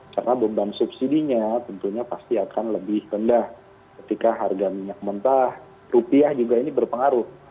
karena beban subsidi nya tentunya pasti akan lebih rendah ketika harga minyak mentah rupiah juga ini berpengaruh